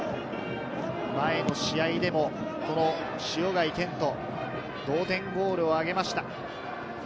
前の試合でも、塩貝健人、同点ゴールを挙げました。